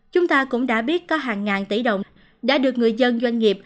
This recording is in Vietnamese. chúng ta cũng đã biết có hàng ngàn tỷ đồng đã được người dân doanh nghiệp